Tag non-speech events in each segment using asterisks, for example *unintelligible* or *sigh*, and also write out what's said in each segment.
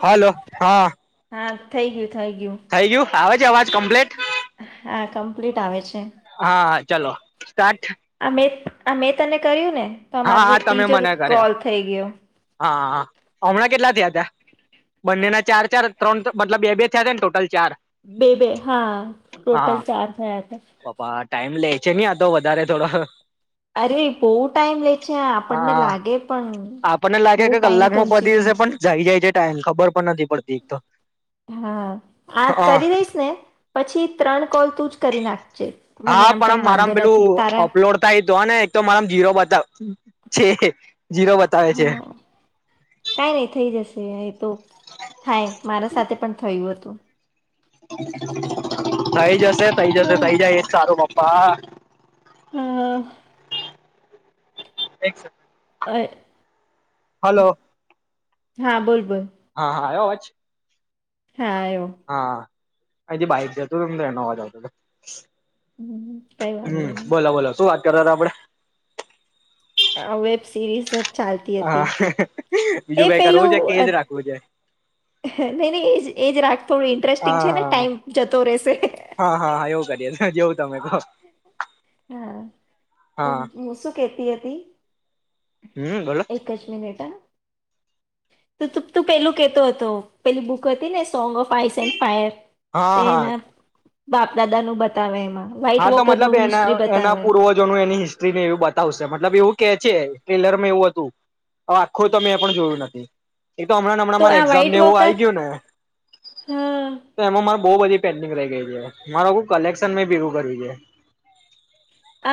Hello, હા હા, થઈ ગયું થઈ ગયું થઈ ગયું, આવે છે અવાજ કમ્પ્લીટ, હા કમ્પ્લીટ હા, ચલો સ્ટાર્ટ અમિત આ મેં તને કહ્યું ને હા તમારો હા તમે ત્રીજો મને કર્યો કોલ થઈ ગયો હા હમણાં કેટલા થયાતા બંનેના ચાર ચાર ત્રણ મતલબ બે બે થયા હતા ને ટોટલ ચાર બે બે હા હા ટોટલ ચાર થયા હતા. પપ્પા ટાઈમ લે છે નહી આ તો વધારે થોડો અરે ભહ ટાઈમ લે છે આપણને હા લાગે પણ આપણને બહુ ટાઈમ કન્ઝ્યુમિંગ કાંઈ ખબર પણ નથી પડતી. હા આ હ હા કરી દઈશ ને પછી ત્રણ કોલ તું જ કરી નાખજે મને હા આમ પણ કઈ આ વાંધો મારામાં નથી પેલું તારા અપલોડ થાય તોને એક તો મારા જીરો બતાવ છે જીરો બતાવે છે હા કઈ નઈ થઈ જશે. તે તો થાય મારા સાથે પણ થયું હતું. *inaudible* થઈ જશે તઈ જશે તઈ હા જાય એજ સારું પપ્પા. હા. એક હા. હલો હા બોલ બોલ હા હા આવ્યો અવાજ હા આયો આજે બાઈક જતો હતું ન તો એનો અવાજ આવતો હતો હમ કઈ હમ વાંધો નહી બોલો બોલો શું કરતા વાત હતા આપડે આ વેબ સીરીઝ ચાલતી હતી હા એ બીજું કઈ કરવું પેલું છે કે અ એજ રાખવું છે નઇ નઈ એજ એ જ રાખ થોડું ઇન્ટરેસ્ટિંગ હા છે ને હા ટાઈમ જતો રહેશે હા હા હા એવું કરીએ જેવું તમે તો હા હું શું કેતી હતી હમ બોલો એક જ મિનિટ હ તો તું તું પેલું કેતો હતો પેલી બૂક હતી ને song of ice and fire હા હા તેના બાપ દાદા નું બતાવે એમાં વ્હાઈટ હા તો વોકર મતલબ નું એના હિસ્ટ્રી એના બતાવે પૂર્વજોનું, એની હિસ્ટ્રીને એવું બતાવશે મતલબ એવું કે ટ્રેલર માં એવું હતું, હવ આખું તો મે પણ જોયું નથી એતો હમણાં હમણાં તો મારે આ એક્ઝામ વ્હાઈટ ને એવું આઇ વોકર ગયું ને હા તો એમો મા બહુ બધી પેન્ડિંગ રહી ગઈ છે, મારું કલેક્શન મે ભેગુ છે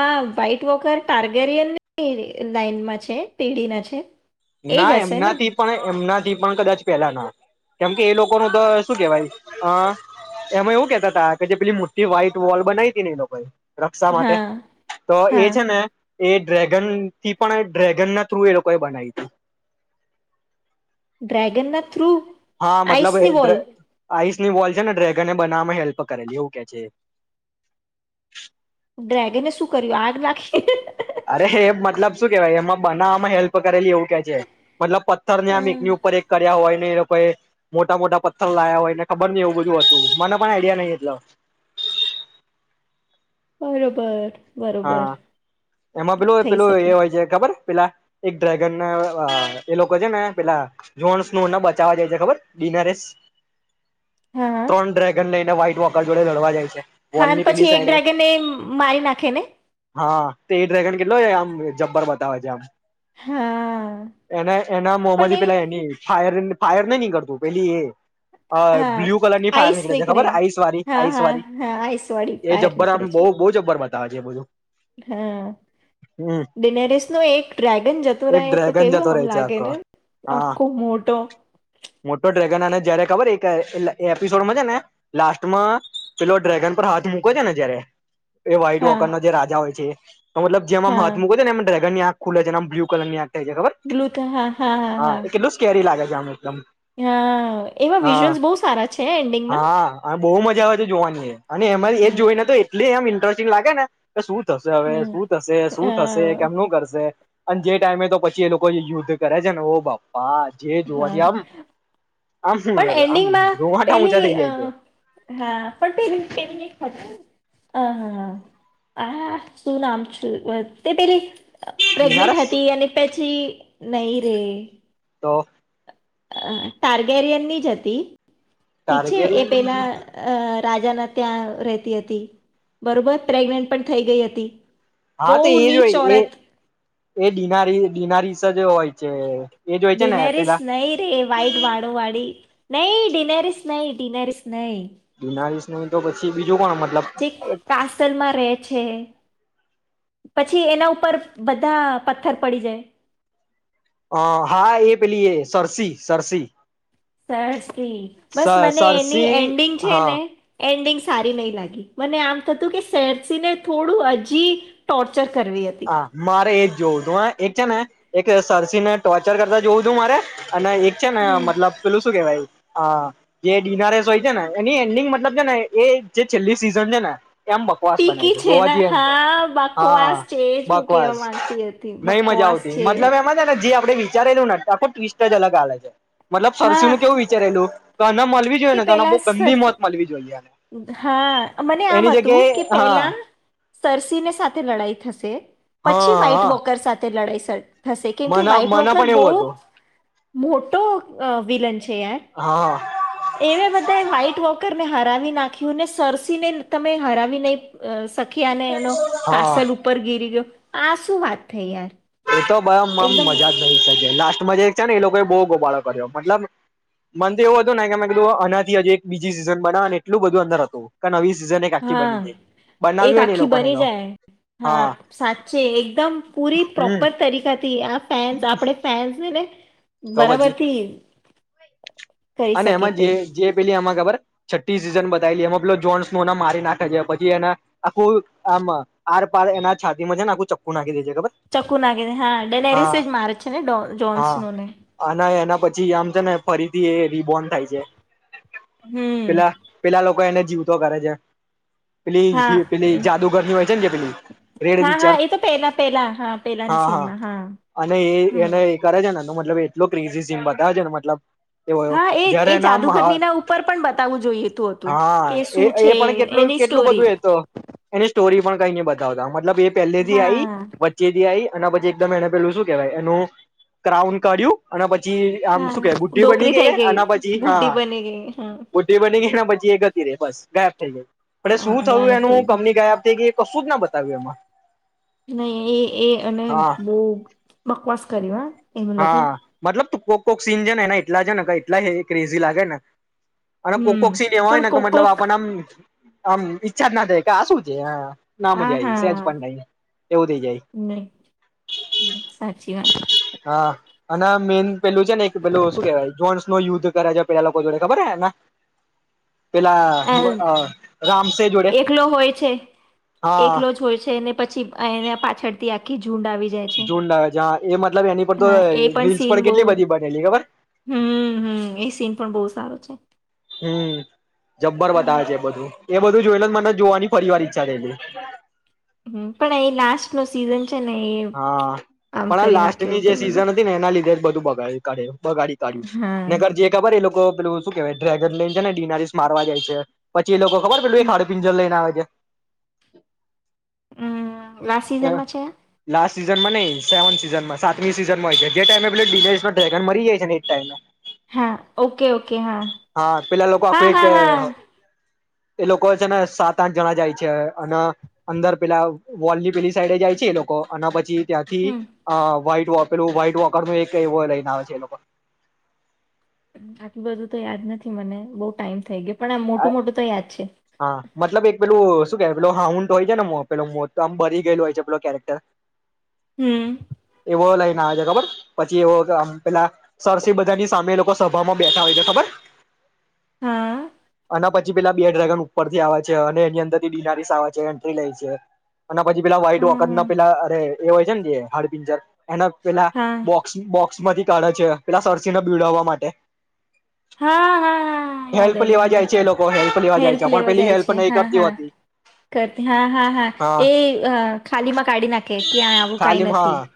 આ વ્હાઈટ વોકર ટાર્ગેરીયનની લાઈનમાં છે, ટીઢી ના છે એજ ના હશે ને એમનાથી પણ એમના પણ કદાચ પેલા ના, કેમ કે એ લોકો ન તો શું કેહેવાય અ એમાં એવું કેતા તા કે જે પેલી મોટી વ્હાઈટ વોલ બનાવી તી ને એ લોકો એ રક્ષા માટે હા તો, એ હા છે ને એ ડ્રેગન થી પણ ડ્રેગન ના થ્રુ એ લોકોએ બનાઈ ડ્રગનનાટ હા, મતલબ આઈસ ની વોલ છે ને ડ્રેગને બનાવવામાં હેલ્પ કરેલી એવું કે છે એ ડ્રેગન શું કર્યું આગ નાખી અરે મતલબ શું કેવાય, એમાં બનાવમાં હેલ્પ કરેલી એવું કે છે, મતલબ પથ્થરને આમ એક અમ, ની ઉપર એક કર્યા હોય એ લોકોએ મોટા, મોટા પથ્થર લાયા હોય ને ખબર ની એવું બધું હતું, મને પણ આઈડિયા નઈ એટ બરોબર બરોબર હા, એમાં પેલું, થઈ પેલું શકે એ હોય છે, ખબર પેલા એક ડ્રેગન ના અ એ લોકો છે ને પેલા જોન્સનુ એને બચાવવા ખબર જાય છે. ઇનારિરેસ હા ત્રણ ડ્રેગન લઈને વ્હાઈટ ક્રોકર જોડે લડવા જાય છે. હા વોલની પેલી પછી એક સાઈડે ડ્રેગન ને મારી નાખે ને. હા તે એ ડ્રેગન કેટલો આમ જબ્બર બતાવે છે આમ. હા એને એના મોહ પણ માંથી એ પેલા એની ફાયરનિગ ફાયર નઈ નીકળતું પેલી એ અ હા બ્લુ કલરની ફાયર નીકળે છે ખબર આઈસ વાળી હા આઈસ હા વાળી હા આઈસ વાળી એ બહાર જબ્બર આમ નીકળે છે બોહ બોહ જબ્બરમાં બતા તાજે બધું હા હમ ડિનેરીસનો એક ડ્રેગન જતું એક રહે તો ડ્રેગન કેવું જતો આમ રહે છે લાગે આખો ને હા આખો મોટો. મોટો ડ્રેગન અને જયારે ખબર એક એલ એપિસોડમાં છે ને લાસ્ટમાં પેલો ડ્રેગન પર હાથ મૂકે છે ને જયારે હા ક્રોકરનો જે રાજા હોય છે એ. તો મતલબ જેમ આમ હા હાથ મૂકે ને એમ ડ્રેગનની આંખ ખુલે છે ને આમ બ્લુ કલરની આંખ થઇ જાય ખબર બ્લુ હા હા એ કેટલું સ્કેરી લાગે. જામુન. હ એવા વિઝુઅલ્સ બહુ સારા છે એન્ડિંગમાં. હા બહુ મજા આવે છે જોવાની એ. અને એમાંરી એ જોઈ હમ ને તો એટલી એમ ઇન્ટરેસ્ટ લાગે ને. શું થશે હવે હમ શું થશે અ શું થશે કેમનું કરશે. અને જે ટાઈમે તો પછી એ લોકો યુદ્ધ કરે છે ને ઓ બાપા. જે જોવાથી હા, આમ આમ શું પણ આમ એન્ડિંગમાં રોવાટા ઊંચા પેલી થઇ જાય છે હા પણ પલી પે હ હા હા શું નામ છ તે પેલી પ્રેગ્નેન્ટ બિનારસ હતી અને પ પછી નહી રે. તો? અ ટાર્ગેરિયનની જ હતી. ઠીક છે એ ટાર્ગેરિયન પેલા રાજાના ત્યાં રહેતી હતી, બરોબર પ્રેગનેન્ટ પણ થઈ ગઈ હતી. બહુ હા તો એ જ નીચ ઓરત હોય એનારીનારી. જે હોય છે. ને ડિનરસ પેલા નૈ રે વઈટ વાડોવાડી. નહી ડિનરસ નહી ડિનરસ નહી. બિનાવીસ ન તો પછી બી જે કાસલમાં રહે છે પછી એના ઉપર બધા પથ્થર પડી જાય એ, હા, એ પેલી એ સરરસી, સરરસી સરસી બસ મને એની સરસી એન્ડિંગ છે હા ને એન્ડિંગ સારી નઈ લાગી, મને આમ થતું કે સરસીને થોડું હજી કરવી હતી હા, મારે એજ જોવુ, તું, હા, એક છે ને એક સરસી ને ટોર્ચર કરતા જોવું તું મારે અને એક છે ને હમ મતલબ પેલું શું કેવાય હા, જે જિનારેસ હોય છે, ને એની એન્ડિંગ મતલબ છે, ને એ જે છેલ્લી સિઝન છે ને એમ બકવાસ બનાવી ટીકી છે, જોવા ને જઈએ એમ તો હા, હા બકવાસ છે જ હું કહેવા બકવાસ, માંગતી હતી નઈ મજા બકવાસ આવતી છે મતલબ એમાં છે ને જ આપણે વિચારેલું ને આખું ટ્વિસ્ટ જ અલગ આવે છે મતલબ સરસુ હા નું કેવું વિચારેલું તો એને મળવી જોઈએ કે ને તોને બહુ પેલા સર ગંદી મોત મળવી જોઈએ ય હા, મને આમ હતું કે પેલા હા સરસી ને સાથે લડાઈ થશે પછી હા વ્હઇટ હા વોકર સાથે તે લડાઈ સાથેટ થશે કેમ કે મને વ્હાઈટ મને વગર પણ બહુ એવું હતું મોટો વિલન. છે, હા એ બધા વટ વોકરને હ *unintelligible* નાખીને સરસીને તમે હરાવી નહી- ખી અને એનો હા કાસલ ઉપર ગીરી ગયો. આ શું વાત થઈ યાર. એતો ભય આમ એકદમ મજા જ નહી શકેે લાસ છે ને એ લોકોએ બહ ગોબાળો કર્યો મતલબ, મન તો એવું હતું ને કે મે કીધું આનાથી એક બીજી સીઝન બના અને એટલું બધું અંદર હતું નવી સિઝન એક આખી હા બની ગઈ બનાવ્યું એક હોય ને એ આખી લોકોને બની તો જાય હા સાચી એકદમ પૂરી પ્રો હમ પણ તરીકા આ ફેન્સ આપણેે ફેન્સ ને ને તો પછી બરાવતી. અને એમાં જે જે પેલી એમાં ખબર છઠ્ઠી સીઝન બતાયલી એમાં પેલો જોન્સ ન એ મારી નાખે છે પછી એના, આખું આમ આરપાર એના છાતીમાં છે ને આખું ચખ્ખું નાખી દે છે. ખબર ચક્કુ નાખેને હા ડેનેરીસે જ હા મારે છે ને હા જોન્સનોને. અને એના પછી આમ છે ને ફરીથી એ રીબોન થાય છે. હમ પેલા પેલા લોકો એને જીવતો કરે છે. હા પેલી પેલી હમ જાદુગરની હોય. જ બિલી *unintelligible* હા હા એ તો પેલા પેલા હા પેલાની સીનમાં હા અને એ હમ. એને એ કરે છે ને મતલબ એટલો ક્રેઝઝીમ બતા છે ને મતલબ. એવો હા એ જયારે એ એના આમ જાદુગરનીના ઉપર પણ બતાવવું જોઈએતું હતું, કે હા એ શું છે એ પણ કેટલું એની કેટલું સ્ટોરી. બધું એ તો એની સ્ટોરી પણ કઈ ન બતાવતા. મતલબ એ પહેલેથી આઈ હા, વચ્ચેથી આઈ. એના પછી એકદમ એને પેલું શું કેહેવાય એનું, ક્રાઉન કાઢ્યું અને પછી ી આમ હા, શું કે ગુઢી બની ડોકરી ગઈ હ. થઈ એના પછી બુઢી હા, બની ગઈ હા, બુધી બની ગઈના પછી બસ, ગાયબ થઈ જાય આપણે હા, શું થયું ગાયબ થઈ એનું, ગઈ. કમની કાયબ થઈ ગઈ કશું જ ના બતાવ્યું એમાં નહી, એ, એ, અને હા બવ બકવાસ કર્યો હો હા, મતલબ તું કોક કોક સીન છે ને એટલા છે ને એટલા ક્રેઝી લાગે ને અને કોક, હમ કોક સીન એવા હોય પણ ને કે કોક મતલબ કોક આપણને આમ આમ ઈચ્છા જ ના થાય કે આ શું છે ના હા, મજા આવી સેજ હા, પણ નહી એવું થઇ જાય નઈ સાચી વાત હા, અને મેઈન પેલું છે ને એક પેલું શું કેવાય જોસનો યુદ્ધ કરે છે પેલા લોકો જોડે ખબર છે ને પેલા અ, રામસે જોડે, એકલો હોય છે હા એકલો જ હોય છે ને પછી એને પાછળથી આખી ઝુંડ આવી જાય છે, જુંડ આવે છે હા એ મતલબ એની પર તો હા, એ પણ રીલ્સ સીન બહુ કેટલી બધી બનેલી ખબર હમ, હમ, એ સીન પણ બહુ સારો છે હમ જબ્બર હમ બતાવે છે એ બધું એ બધું જોઈ મને, જોવાની ફરી વાર ઈચ્છા થયેલી હમ, પણ અહી લાસ્ટનો સીઝન છે ને એ હા આમ પણ આ કરી લાસ્ટની નાખ્યું જે પેલું સિઝન લોકો હતી ને એના લીધે જ બધું બ ઘરે *unintelligible* બગાડી કાઢ્યું હા નગર જે ખબર એ લોકો પેલું શું કેવાય ડ્રેગન લેને જાય ને ડિનારીસ મારવા જાય છે પછી એ લોકો ખબર પેલું એક હાડ પિંજર લઈને આવે છે. હમ. લાસ્ટ સિઝનમાં છે. સીઝનમાં નહી સેવન સીઝનમાં સાતમી સીઝનમાં હોય છે જે ટાઈમે ડીલે્રેગન *unintelligible* ડ્રેગન મરી જાય છે ને એજ ટાઈમ. હા ઓકે ઓકે. હા હા પેલા લોકો હા આખું એક હા હા એ લોકો છે ને સાત આઠ જણા જાય છે અને અંદર પેલા વોલની પેલી સાઈડે જાય છે એ લોકો અને પછી ત્યાંથી હમ અ વાઈટ *unintelligible* પેલું વહાઈટ વોકરનું એક એવું લઈને આવે છે એ લોકો. આટલી બધું તો યાદ નથી મને બહુ ટાઈમ થઈ ગયો પણ આ મોટું મોટું તો યાદ છે. હા મતલબ એક પેલું શું કેવાય પેલો હા ઉન્ટ હોય ને મો પેલો મોટો તો આમ ભરી ગયેલો હોય છે પેલો કેરેક્ટર. હમ એવો લઈને આવે બર પછી એવો પેલા સરસ *unintelligible* બધાની સામે લોકો સભામાં બેઠા હોય છે ખબર. હા. અને પછી પેલા બે ડ્રેગન ઉપરથી આવે છે અને એની અંદરથી બિનારીસ આવે છે એન્ટ્રી લે છે અને પછી પેલા વ્હાઈટ હા વખતના પેલા અરે એ હોય છે ને જે હપિજર. એના પેલા હા હા બોક્સ *unintelligible* દુશ્મની કાઢે છે પેલા સાહસીને બીડાવવા માટે. હા હા યાદ હેલ્પ લેવા જાય છે એ લોકો જાય હેલ્પ છે પણ લેવા પેલી જાય હેલ્પ છે નહી હા કરતી હોતી હા હા હા હા એ ખાલીમાં કાઢી નાખે કે આવું કઈ તાલીમ નથી હા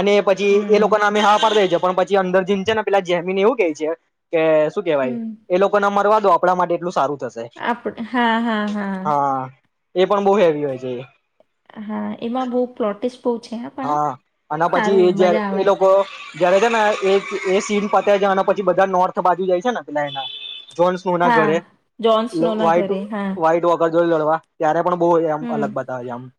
અને પછી એ હમ. લોકો ના અમે હા પાડી દે છે પણ પછી અંદર જીન છે ને પેલા જેમીન એવું કે છે કે શું કેવાય હમ એ લોકો ના મરવા દો આપણા માટે એટલ સારું થશે આપણે હા હા હા એ પણ બહુ હેવી હોય છે. હા એમાં બહ પ્લો હા અને પછી જ મજા એ આવે લોકો *unintelligible* છે ને સી પાત્યા જ પછી બધા નોર્થ બાજુ જાય છે *unintelligible* એના જોન્સનું ના હા ઘરે જોન્સનો ના વાઈટ ઘરે હા વાઈટ વગ જો લડવા ત્યારે પણ બહુ આમ હમ અલગ બતાવે આપડને.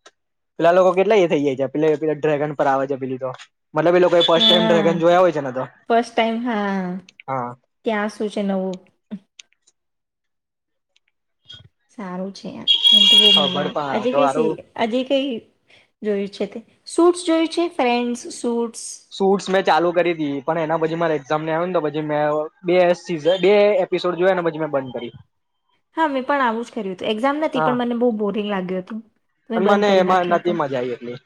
પેલા લોકો કેટલા એ થઈ જાય છે. પે પે ડ્રેગન પર આવે છે પેલી તો મતલબ એ લોકો ફર્સ્ટ ટાઈમ હા ડ્રેગન જોયા હોય છે ને તો ફસ્ટ ટાઈમ હા હા ત્યાં શું છે નવું? સારું છે આયા. મ તો બહુ ખબર મજા પણ આવે તો હજી હારું કઈ હજી કઈ જોયું છે તે? શૂટ્ જોયું છે ફેન્ટસ શૂટ સૂટ્સ મે ચાલુ કરી હતી પણ એના પછી મારે એક્ઝામને આવ ને તો પછી મે બે સ બે એપિસોડ જોયાને પછી મેં બંધ કરી. હા મેં પણ આવું જ કર્યું હતું એક્ઝામ નથી હા પણ મને બહુ બોરિંગ લાગ્યું હતું મેં અને બંધ મને કરી એમાં નાખ્યો હતો. નથી મજા આવી એટલી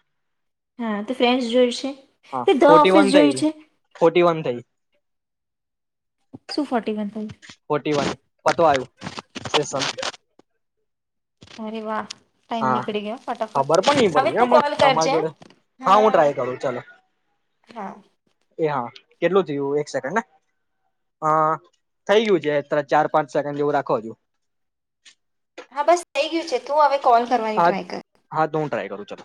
હા તો ફ્રેસ જોઈશે. હા ફોર્ટી વન થઈ ફોર્ટી વન થઈ. શું ફોર્ટી વન થયું ફોટી વન પતો આવ્યું. સેશન. અરે વા. હા ખબર પણ નહી પડતી તું મ કોલ તમારી કરજે જોડે હા હું ટ્રાય કરું ચાલ હા એ હા. કેટલું થયું એક સેકન્ડ ને હ થઈ ગયું છે ત ચાર પાંચ સેકન્ડ એવું રાખો છ હા બસ થઈ ગયું છે તું હવે કોલ કરવાની હા ટ્રાય કર. હા તો હું ટ્રાય કરું ચાલો.